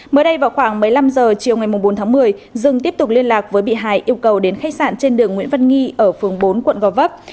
mới đây vào khoảng một mươi năm h chiều ngày bốn tháng một mươi dương tiếp tục liên lạc với bị hại yêu cầu đến khách sạn trên đường nguyễn văn nghi ở phường bốn quận gò vấp